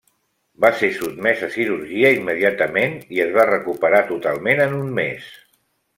Va ser sotmès a cirurgia immediatament i es va recuperar totalment en un mes.